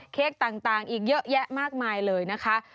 เค้กต่างอีกเยอะแยะมากมายเลยนะคะ